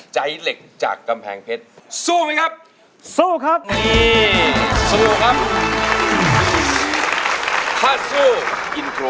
ใจเหล็กจากกำแพงเพชร